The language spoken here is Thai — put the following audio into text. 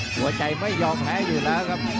หัวใจไม่ยอมแพ้อยู่แล้วครับ